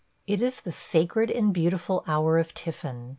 ... It is the sacred and beautiful hour of tiffin.